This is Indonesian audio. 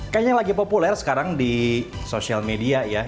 kayaknya lagi populer sekarang di social media ya